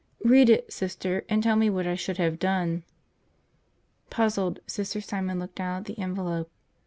Read it, Sister, and tell me what I should have done." Puzzled, Sister Simon looked down at the envelope.